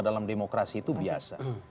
dalam demokrasi itu biasa